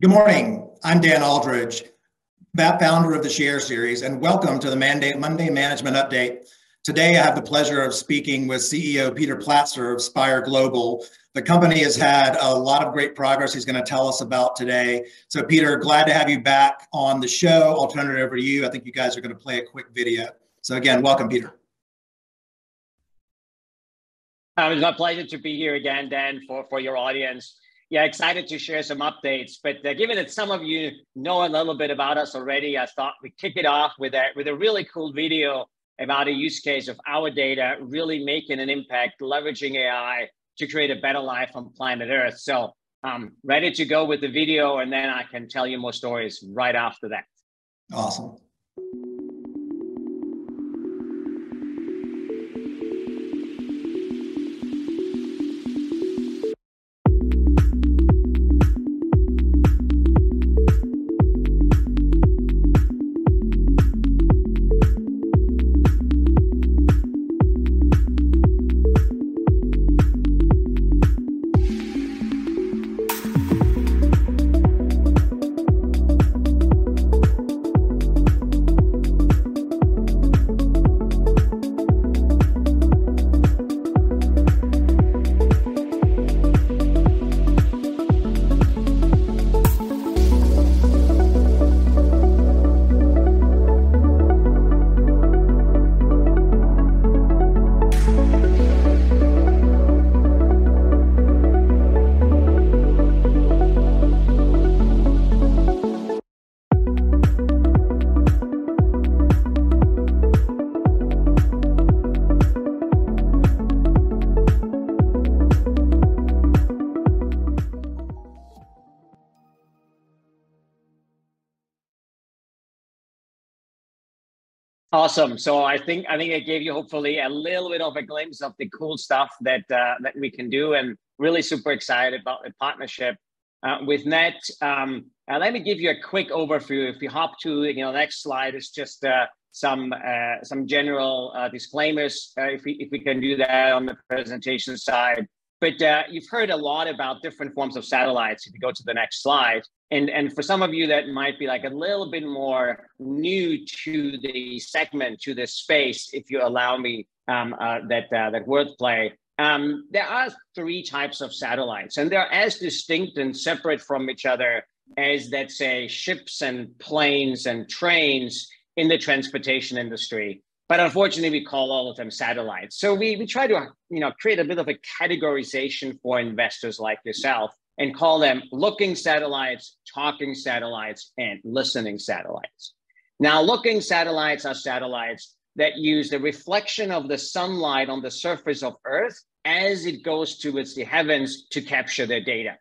Good morning. I'm Dan Aldridge, the founder of the SHARE Series, and welcome to the Mandate Monday Management Update. Today, I have the pleasure of speaking with CEO Peter Platzer of Spire Global. The company has had a lot of great progress he's gonna tell us about today. So Peter, glad to have you back on the show. I'll turn it over to you. I think you guys are gonna play a quick video. So again, welcome, Peter. It's my pleasure to be here again, Dan, for your audience. Yeah, excited to share some updates, but, given that some of you know a little bit about us already, I thought we'd kick it off with a really cool video about a use case of our data really making an impact, leveraging AI to create a better life on planet Earth. So, ready to go with the video, and then I can tell you more stories right after that. Awesome. Awesome. So I think, I think I gave you hopefully a little bit of a glimpse of the cool stuff that we can do, and really super excited about the partnership with Met. Let me give you a quick overview. If you hop to, you know, the next slide, it's just some general disclaimers, if we can do that on the presentation side. But you've heard a lot about different forms of satellites, if you go to the next slide, and for some of you that might be, like, a little bit more new to the segment, to this space, if you allow me, that wordplay. There are three types of satellites, and they're as distinct and separate from each other as, let's say, ships and planes and trains in the transportation industry. But unfortunately, we call all of them satellites. So we try to, you know, create a bit of a categorization for investors like yourself and call them looking satellites, talking satellites, and listening satellites. Now, looking satellites are satellites that use the reflection of the sunlight on the surface of Earth as it goes towards the heavens to capture their data.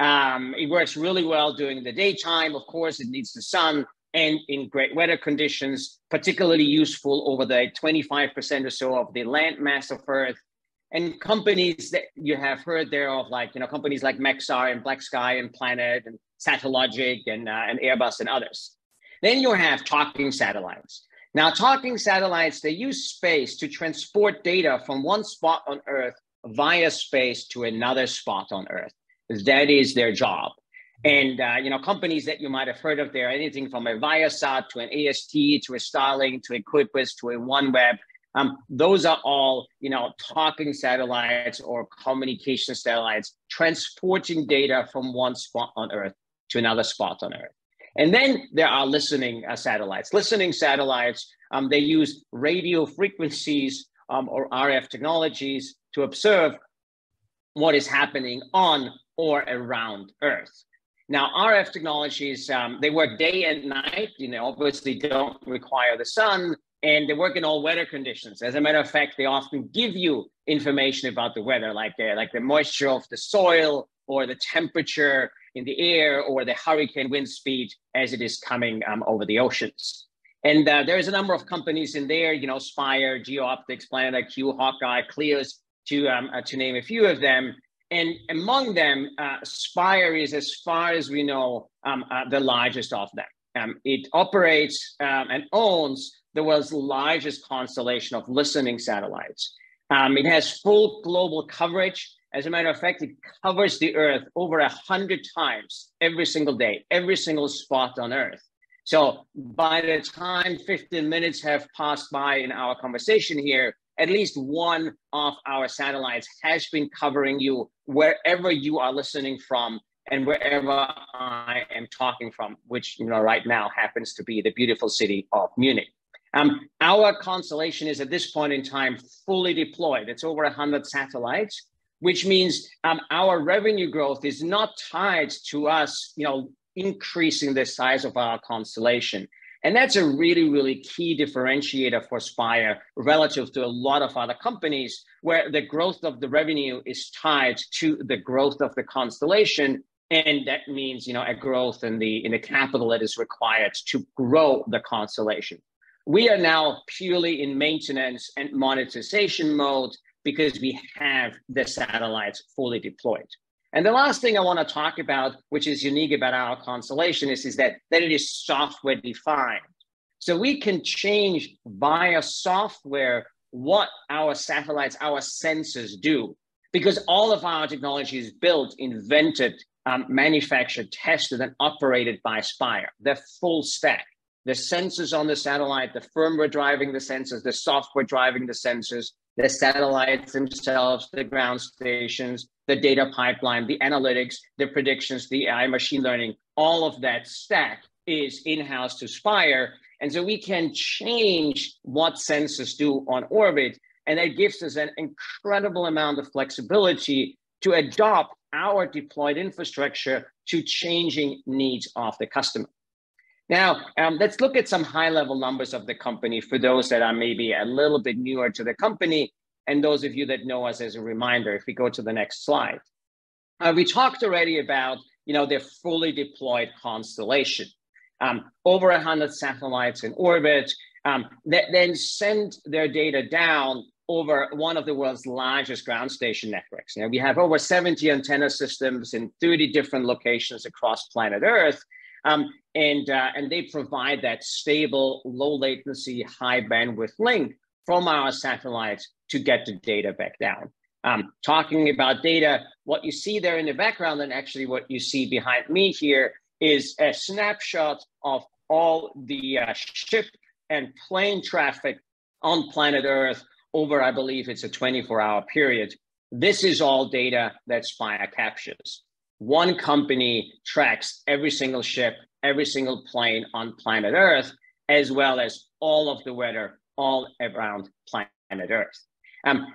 It works really well during the daytime. Of course, it needs the sun, and in great weather conditions, particularly useful over the 25% or so of the land mass of Earth. And companies that you have heard of like, you know, companies like Maxar and BlackSky, and Planet, and Satellogic, and Airbus and others. Then you have talking satellites. Now, talking satellites, they use space to transport data from one spot on Earth, via space, to another spot on Earth. That is their job. And, you know, companies that you might have heard of there, anything from a Viasat to an AST, to a Starlink, to EQUULEUS, to a OneWeb, those are all, you know, talking satellites or communication satellites, transporting data from one spot on Earth to another spot on Earth. And then there are listening satellites. Listening satellites, they use radio frequencies, or RF technologies to observe what is happening on or around Earth. Now, RF technologies, they work day and night. You know, obviously, they don't require the sun, and they work in all weather conditions. As a matter of fact, they often give you information about the weather, like the moisture of the soil, or the temperature in the air, or the hurricane wind speed as it is coming over the oceans. And there is a number of companies in there, you know, Spire, GeoOptics, PlanetiQ, HawkEye, Kleos, to name a few of them. And among them, Spire is, as far as we know, the largest of them. It operates and owns the world's largest constellation of listening satellites. It has full global coverage. As a matter of fact, it covers the Earth over 100 times every single day, every single spot on Earth. So by the time 15 minutes have passed by in our conversation here, at least one of our satellites has been covering you wherever you are listening from and wherever I am talking from, which, you know, right now happens to be the beautiful city of Munich. Our constellation is, at this point in time, fully deployed. It's over 100 satellites, which means, our revenue growth is not tied to us, you know, increasing the size of our constellation, and that's a really, really key differentiator for Spire, relative to a lot of other companies, where the growth of the revenue is tied to the growth of the constellation, and that means, you know, a growth in the, in the capital that is required to grow the constellation. We are now purely in maintenance and monetization mode because we have the satellites fully deployed. And the last thing I want to talk about, which is unique about our constellation, is that it is software-defined... So we can change via software what our satellites, our sensors do, because all of our technology is built, invented, manufactured, tested, and operated by Spire, the full stack. The sensors on the satellite, the firmware driving the sensors, the software driving the sensors, the satellites themselves, the ground stations, the data pipeline, the analytics, the predictions, the AI machine learning, all of that stack is in-house to Spire, and so we can change what sensors do on orbit, and that gives us an incredible amount of flexibility to adapt our deployed infrastructure to changing needs of the customer. Now, let's look at some high-level numbers of the company for those that are maybe a little bit newer to the company, and those of you that know us, as a reminder, if we go to the next slide. We talked already about, you know, the fully deployed constellation. Over 100 satellites in orbit, that then send their data down over one of the world's largest ground station networks. Now, we have over 70 antenna systems in 30 different locations across planet Earth. And they provide that stable, low-latency, high-bandwidth link from our satellites to get the data back down. Talking about data, what you see there in the background, and actually what you see behind me here, is a snapshot of all the ship and plane traffic on planet Earth over, I believe it's a 24-hour period. This is all data that Spire captures. One company tracks every single ship, every single plane on planet Earth, as well as all of the weather all around planet Earth.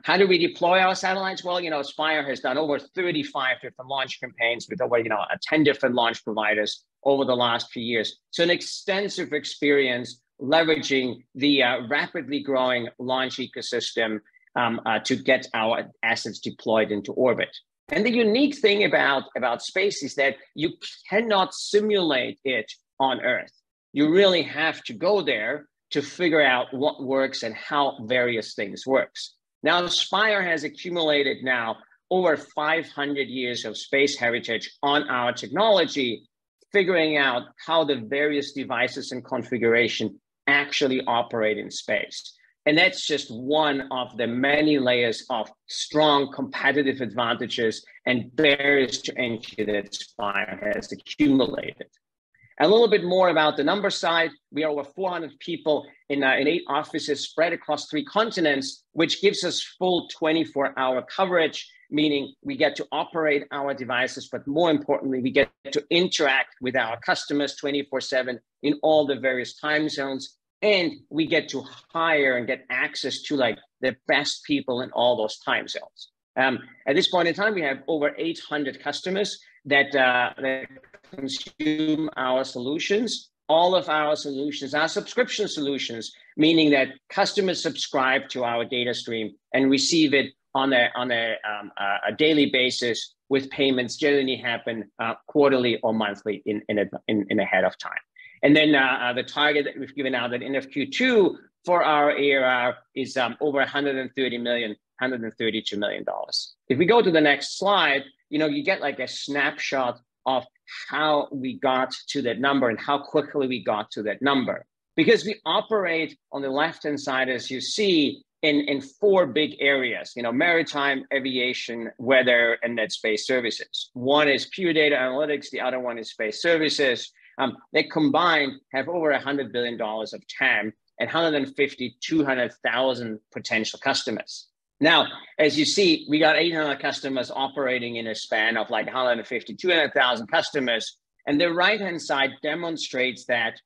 How do we deploy our satellites? Well, you know, Spire has done over 35 different launch campaigns with over, you know, 10 different launch providers over the last few years. So an extensive experience leveraging the rapidly growing launch ecosystem to get our assets deployed into orbit. And the unique thing about space is that you cannot simulate it on Earth. You really have to go there to figure out what works and how various things works. Now, Spire has accumulated now over 500 years of space heritage on our technology, figuring out how the various devices and configuration actually operate in space, and that's just one of the many layers of strong competitive advantages and barriers to entry that Spire has accumulated. A little bit more about the numbers side. We are over 400 people in eight offices spread across three continents, which gives us full 24-hour coverage, meaning we get to operate our devices, but more importantly, we get to interact with our customers 24/7 in all the various time zones, and we get to hire and get access to, like, the best people in all those time zones. At this point in time, we have over 800 customers that that consume our solutions. All of our solutions are subscription solutions, meaning that customers subscribe to our data stream and receive it on a daily basis, with payments generally happen quarterly or monthly in advance. And then, the target that we've given out at end of Q2 for our ARR is over $130 million, $132 million. If we go to the next slide, you know, you get like a snapshot of how we got to that number and how quickly we got to that number. Because we operate, on the left-hand side, as you see, in four big areas, you know, Maritime, Aviation, Weather, and then Space Services. One is pure data analytics, the other one is space services. They combined have over $100 billion of TAM and 150,000-200,000 potential customers. Now, as you see, we got 800 customers operating in a span of, like, 150,000-200,000 customers, and the right-hand side demonstrates that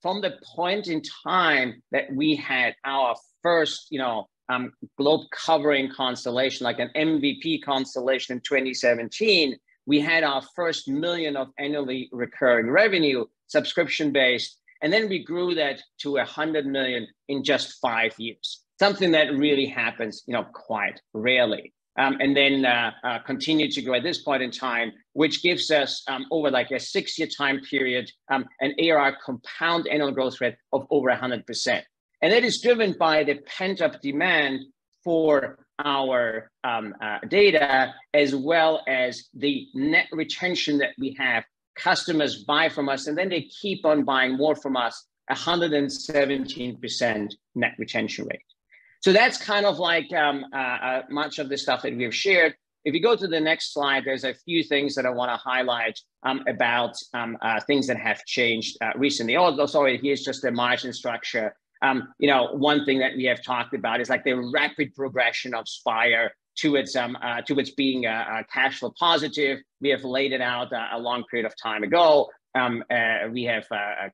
from the point in time that we had our first, you know, globe-covering constellation, like an MVP constellation in 2017, we had our first $1 million of annually recurring revenue, subscription-based, and then we grew that to $100 million in just five years, something that really happens, you know, quite rarely. And then continued to grow at this point in time, which gives us, over, like, a six-year time period, an ARR compound annual growth rate of over 100%. And that is driven by the pent-up demand for our data, as well as the net retention that we have. Customers buy from us, and then they keep on buying more from us, 117% net retention rate. So that's kind of like, much of the stuff that we have shared. If you go to the next slide, there's a few things that I want to highlight, about things that have changed, recently. Although, sorry, here's just the margin structure. You know, one thing that we have talked about is, like, the rapid progression of Spire to its, to its being, cash flow positive. We have laid it out a long period of time ago. We have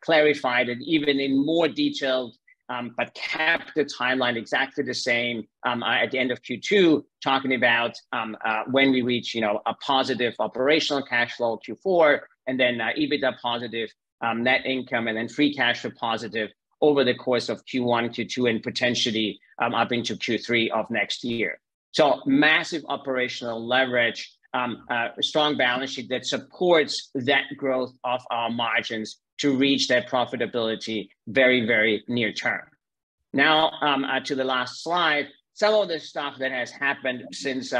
clarified it even in more detail, but kept the timeline exactly the same, at the end of Q2, talking about when we reach, you know, a positive operational cash flow, Q4, and then EBITDA positive, net income, and then free cash flow positive over the course of Q1, Q2, and potentially up into Q3 of next year. So massive operational leverage, strong balance sheet that supports that growth of our margins to reach that profitability very, very near term. Now, to the last slide, some of the stuff that has happened since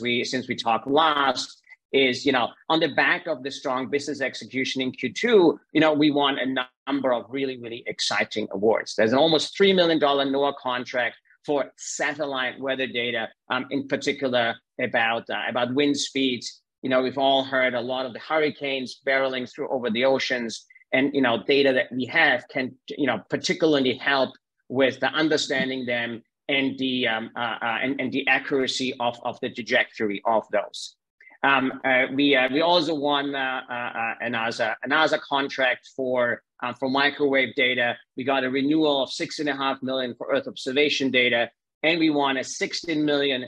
we talked last is, you know, on the back of the strong business execution in Q2, you know, we won a number of really, really exciting awards. There's an almost $3 million NOAA contract for satellite weather data, in particular about wind speeds. You know, we've all heard a lot of the hurricanes barreling through over the oceans, and, you know, data that we have can, you know, particularly help with the understanding them and the accuracy of the trajectory of those. We also won a NASA contract for microwave data. We got a renewal of $6.5 million for Earth observation data, and we won a €16 million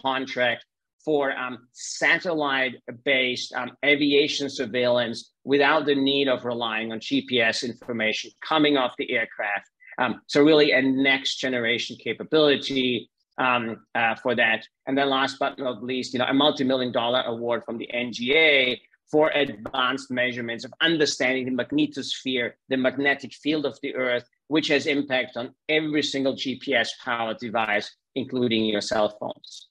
contract for satellite-based aviation surveillance without the need of relying on GPS information coming off the aircraft. So really a next-generation capability for that. And then last but not least, you know, a multi-million-dollar award from the NGA for advanced measurements of understanding the magnetosphere, the magnetic field of the Earth, which has impact on every single GPS-powered device, including your cell phones.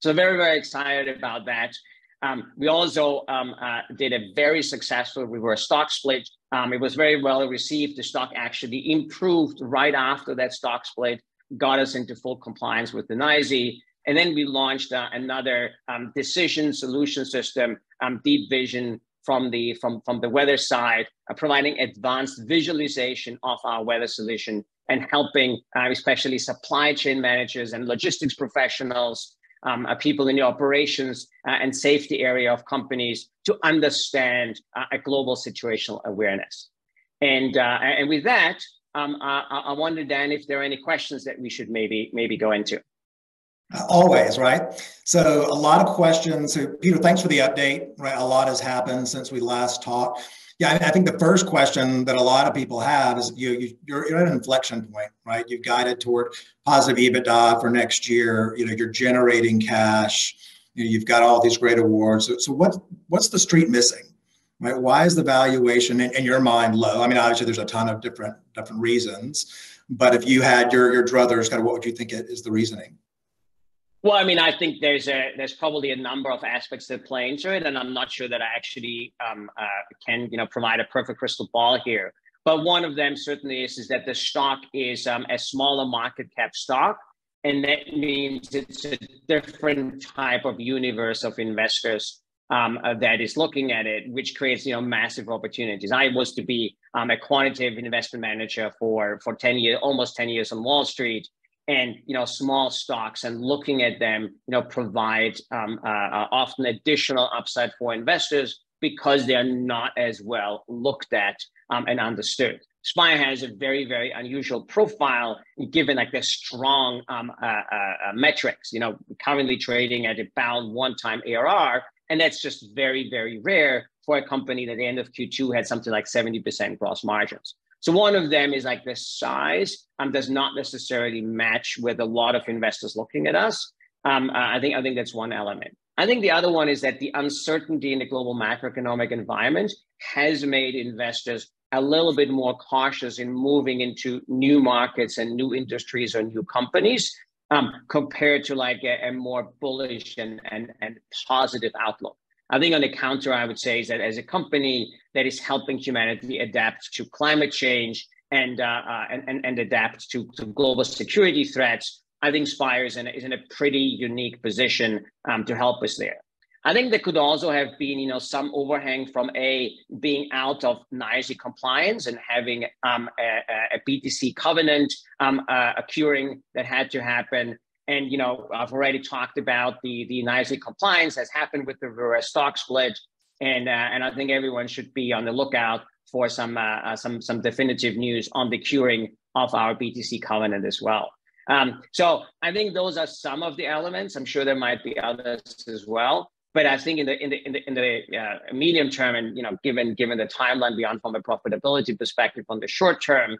So very, very excited about that. We also did a very successful reverse stock split. It was very well received. The stock actually improved right after that reverse stock split, got us into full compliance with the NYSE, and then we launched another decision solution system, DeepVision from the weather side, providing advanced visualization of our weather solution and helping especially supply chain managers and logistics professionals, people in the operations and safety area of companies to understand a global situational awareness. And with that, I wonder, Dan, if there are any questions that we should maybe go into? Always, right? So a lot of questions. So Peter, thanks for the update. Right, a lot has happened since we last talked. Yeah, I think the first question that a lot of people have is, you're at an inflection point, right? You've guided toward positive EBITDA for next year. You know, you're generating cash, and you've got all these great awards. So, what, what's the Street missing, right? Why is the valuation in your mind low? I mean, obviously there's a ton of different reasons, but if you had your druthers, kind of what would you think is the reasoning? Well, I mean, I think there's a... There's probably a number of aspects that play into it, and I'm not sure that I actually can, you know, provide a perfect crystal ball here. But one of them certainly is that the stock is a smaller market cap stock, and that means it's a different type of universe of investors that is looking at it, which creates, you know, massive opportunities. I was to be a quantitative investment manager for almost 10 years on Wall Street, and, you know, small stocks and looking at them, you know, provide often additional upside for investors because they're not as well looked at and understood. Spire has a very, very unusual profile, given, like, the strong metrics. You know, currently trading at about 1x ARR, and that's just very, very rare for a company that at the end of Q2 had something like 70% gross margins. So one of them is, like, the size does not necessarily match with a lot of investors looking at us. I think, I think that's one element. I think the other one is that the uncertainty in the global macroeconomic environment has made investors a little bit more cautious in moving into new markets and new industries or new companies, compared to, like, a more bullish and positive outlook. I think on the counter, I would say, is that as a company that is helping humanity adapt to climate change and adapt to global security threats, I think Spire is in a pretty unique position to help us there. I think there could also have been, you know, some overhang from being out of NYSE compliance and having a BTC covenant, a curing that had to happen. You know, I've already talked about the NYSE compliance that's happened with the reverse stock split, and I think everyone should be on the lookout for some definitive news on the curing of our BTC covenant as well. I think those are some of the elements. I'm sure there might be others as well. But I think in the medium term, and you know, given the timeline beyond from a profitability perspective on the short term,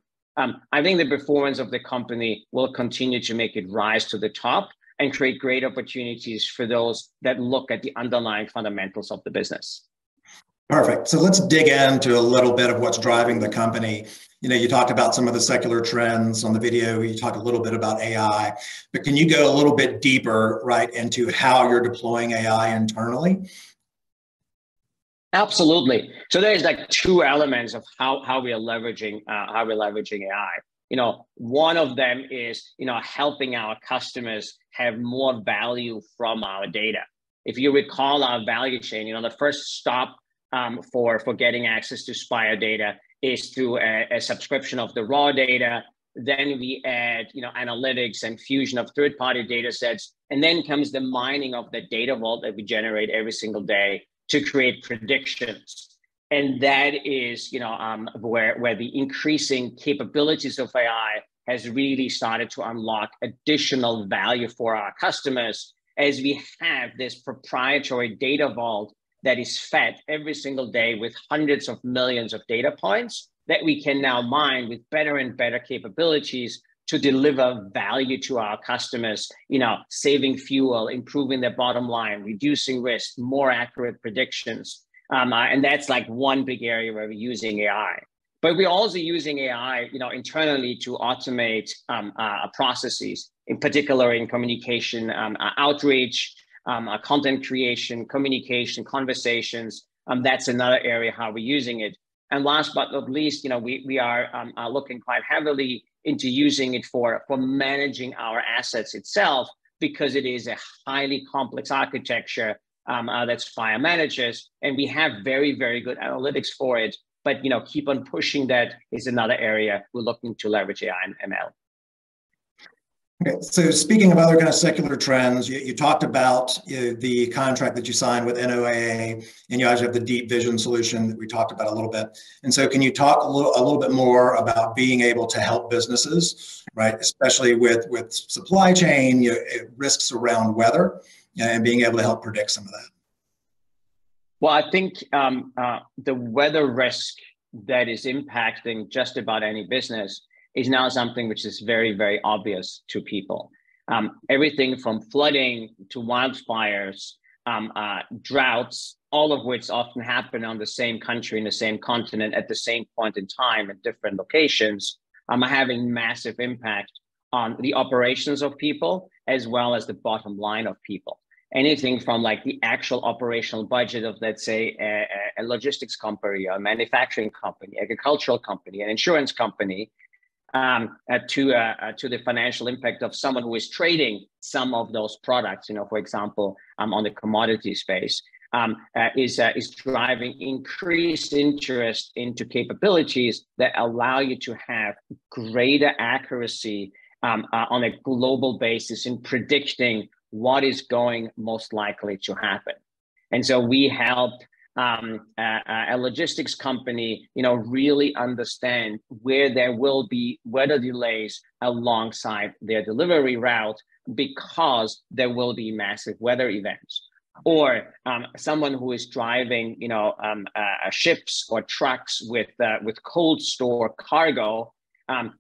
I think the performance of the company will continue to make it rise to the top and create great opportunities for those that look at the underlying fundamentals of the business. Perfect. So let's dig into a little bit of what's driving the company. You know, you talked about some of the secular trends on the video. You talked a little bit about AI. But can you go a little bit deeper, right, into how you're deploying AI internally? Absolutely. So there is, like, two elements of how we are leveraging AI. You know, one of them is, you know, helping our customers have more value from our data. If you recall our value chain, you know, the first stop for getting access to Spire data is through a subscription of the raw data. Then we add, you know, analytics and fusion of third-party data sets, and then comes the mining of the data vault that we generate every single day to create predictions. That is, you know, where the increasing capabilities of AI has really started to unlock additional value for our customers as we have this proprietary data vault that is fed every single day with hundreds of millions of data points that we can now mine with better and better capabilities to deliver value to our customers. You know, saving fuel, improving their bottom line, reducing risk, more accurate predictions. And that's, like, one big area where we're using AI, but we're also using AI, you know, internally to automate processes, in particular in communication, outreach, content creation, communication, conversations, that's another area how we're using it. Last but not least, you know, we are looking quite heavily into using it for managing our assets itself, because it is a highly complex architecture that Spire manages, and we have very, very good analytics for it. But, you know, keep on pushing that is another area we're looking to leverage AI and ML. Okay, so speaking of other kind of secular trends, you talked about the contract that you signed with NOAA, and you guys have the DeepVision solution that we talked about a little bit. So can you talk a little bit more about being able to help businesses, right? Especially with supply chain, you know, risks around weather and being able to help predict some of that. Well, I think, the weather risk that is impacting just about any business is now something which is very, very obvious to people. Everything from flooding to wildfires, droughts, all of which often happen on the same country, in the same continent, at the same point in time, at different locations, are having massive impact on the operations of people as well as the bottom line of people. Anything from, like, the actual operational budget of, let's say, a logistics company, a manufacturing company, agricultural company, an insurance company, to the financial impact of someone who is trading some of those products, you know, for example, on the commodity space, is driving increased interest into capabilities that allow you to have greater accuracy, on a global basis in predicting what is going most likely to happen. And so we helped a logistics company, you know, really understand where there will be weather delays alongside their delivery route because there will be massive weather events. Or, someone who is driving, you know, ships or trucks with, with cold store cargo,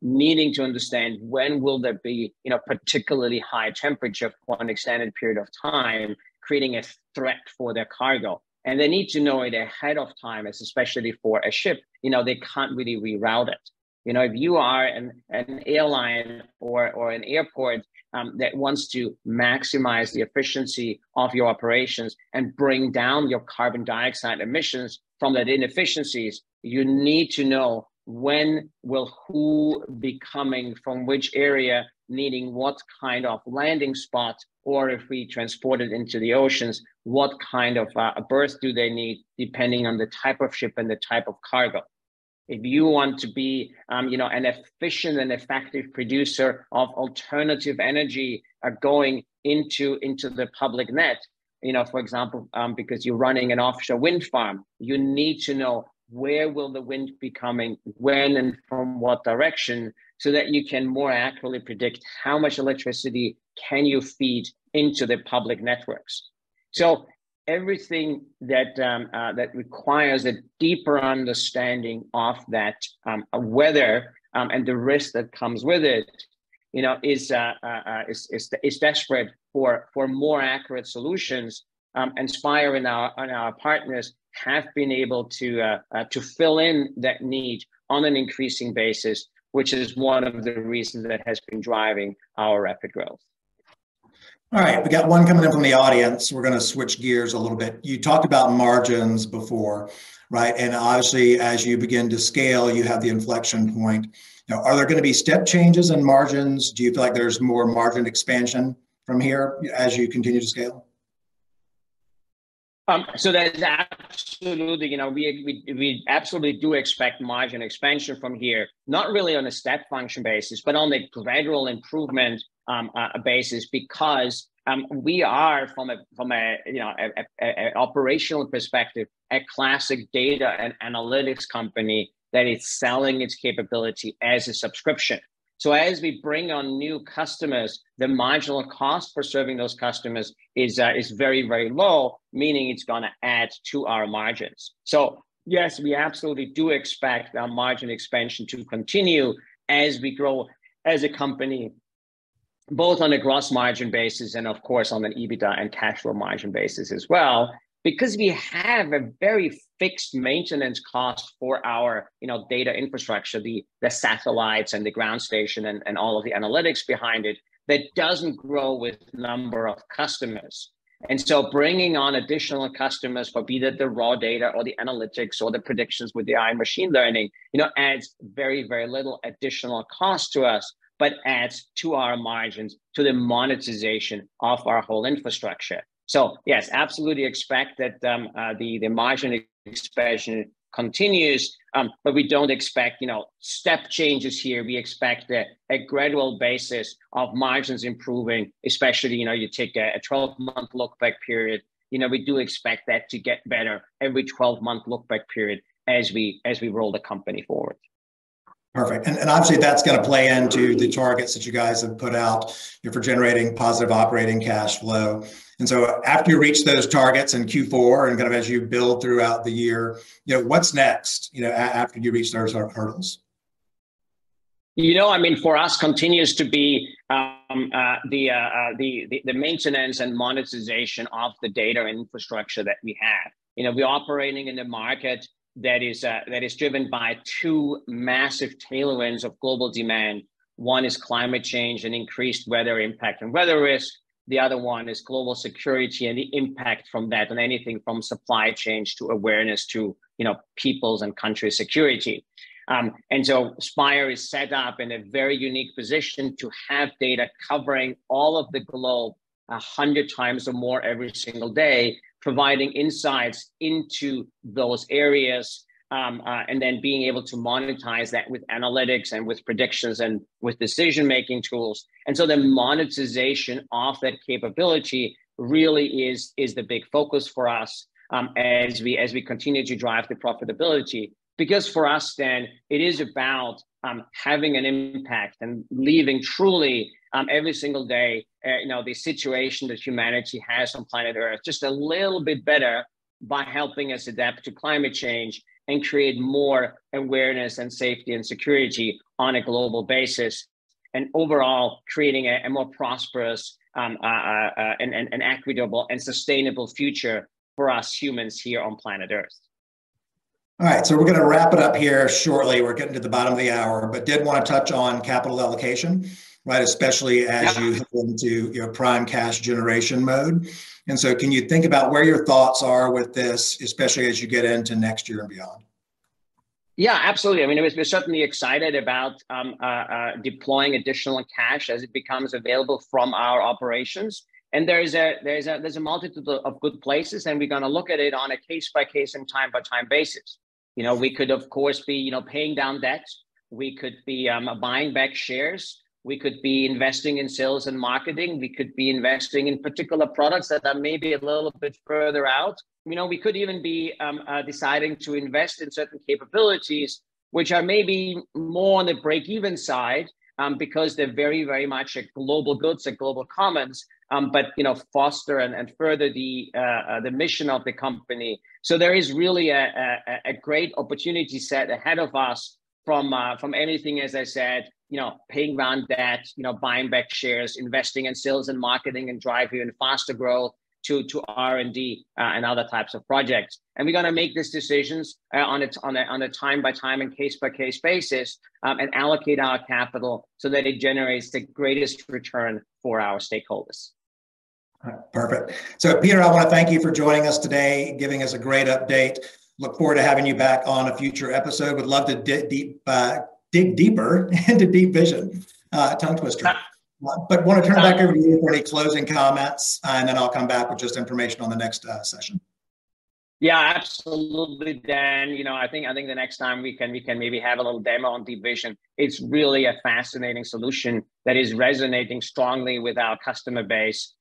needing to understand when will there be, you know, particularly high temperature for an extended period of time, creating a threat for their cargo. And they need to know it ahead of time, as especially for a ship, you know, they can't really reroute it. You know, if you are an airline or an airport, that wants to maximize the efficiency of your operations and bring down your carbon dioxide emissions from that inefficiencies, you need to know when will who be coming, from which area, needing what kind of landing spot, or if we transport it into the oceans, what kind of berth do they need, depending on the type of ship and the type of cargo. If you want to be, you know, an efficient and effective producer of alternative energy, going into, into the public net, you know, for example, because you're running an offshore wind farm, you need to know where will the wind be coming, when, and from what direction, so that you can more accurately predict how much electricity can you feed into the public networks. So everything that requires a deeper understanding of that weather and the risk that comes with it, you know, is desperate for more accurate solutions. And Spire and our partners have been able to fill in that need on an increasing basis, which is one of the reasons that has been driving our rapid growth. All right, we got one coming in from the audience. We're gonna switch gears a little bit. You talked about margins before, right? And obviously, as you begin to scale, you have the inflection point. Now, are there gonna be step changes in margins? Do you feel like there's more margin expansion from here as you continue to scale? So that is absolutely... You know, we absolutely do expect margin expansion from here. Not really on a step function basis, but on a gradual improvement basis, because we are from a, from a, you know, operational perspective, a classic data and analytics company that is selling its capability as a subscription. So as we bring on new customers, the marginal cost for serving those customers is very, very low, meaning it's gonna add to our margins. So yes, we absolutely do expect our margin expansion to continue as we grow as a company, both on a gross margin basis and, of course, on an EBITDA and cash flow margin basis as well. Because we have a very fixed maintenance cost for our, you know, data infrastructure, the satellites and the ground station and all of the analytics behind it, that doesn't grow with number of customers. So bringing on additional customers for either the raw data, or the analytics, or the predictions with AI machine learning, you know, adds very, very little additional cost to us, but adds to our margins, to the monetization of our whole infrastructure. So yes, absolutely expect that the margin expansion continues. But we don't expect, you know, step changes here. We expect that a gradual basis of margins improving, especially, you know, you take a 12-month look-back period, you know, we do expect that to get better every 12-month look-back period as we roll the company forward. Perfect. And obviously, that's gonna play into the targets that you guys have put out, you know, for generating positive operating cash flow. And so after you reach those targets in Q4, and kind of as you build throughout the year, you know, what's next, you know, after you reach those kind of hurdles?... You know, I mean, for us, continues to be the maintenance and monetization of the data infrastructure that we have. You know, we're operating in a market that is driven by two massive tailwinds of global demand. One is climate change and increased weather impact and weather risk. The other one is global security and the impact from that on anything from supply chains to awareness to, you know, peoples' and countries' security. And so Spire is set up in a very unique position to have data covering all of the globe 100 times or more every single day, providing insights into those areas, and then being able to monetize that with analytics and with predictions and with decision-making tools. And so the monetization of that capability really is the big focus for us as we continue to drive the profitability. Because for us, then, it is about having an impact and leaving truly every single day, you know, the situation that humanity has on planet Earth just a little bit better by helping us adapt to climate change and create more awareness and safety and security on a global basis, and overall, creating a more prosperous, an equitable and sustainable future for us humans here on planet Earth. All right, so we're gonna wrap it up here shortly. We're getting to the bottom of the hour, but did want to touch on capital allocation, right? Yeah. Especially as you move into your prime cash generation mode. And so can you think about where your thoughts are with this, especially as you get into next year and beyond? Yeah, absolutely. I mean, we're certainly excited about deploying additional cash as it becomes available from our operations, and there is a multitude of good places, and we're gonna look at it on a case-by-case and time-by-time basis. You know, we could, of course, be paying down debt. We could be buying back shares. We could be investing in sales and marketing. We could be investing in particular products that are maybe a little bit further out. You know, we could even be deciding to invest in certain capabilities which are maybe more on the break-even side, because they're very, very much a global goods, a global commons, but, you know, foster and further the mission of the company. So there is really a great opportunity set ahead of us from anything, as I said, you know, paying down debt, you know, buying back shares, investing in sales and marketing, and driving even faster growth to R&D and other types of projects. And we're gonna make these decisions on a time-by-time and case-by-case basis and allocate our capital so that it generates the greatest return for our stakeholders. All right. Perfect. So Peter, I wanna thank you for joining us today, giving us a great update. Look forward to having you back on a future episode. Would love to dig deep, dig deeper into DeepVision. Tongue twister. Yeah. Wanna turn it back over to you for any closing comments, and then I'll come back with just information on the next session. Yeah, absolutely, Dan. You know, I think, I think the next time we can, we can maybe have a little demo on DeepVision. It's really a fascinating solution that is resonating strongly with our customer base,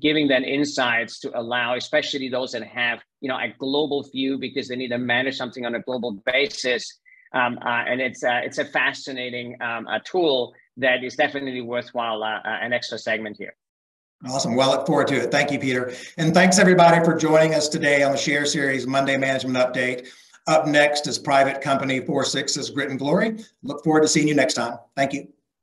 giving them insights to allow, especially those that have, you know, a global view because they need to manage something on a global basis. And it's a, it's a fascinating tool that is definitely worthwhile, an extra segment here. Awesome. Well, look forward to it. Thank you, Peter, and thanks, everybody, for joining us today on the SHARE Series Monday Management Update. Up next is private company Four Sixes Grit and Glory. Look forward to seeing you next time. Thank you.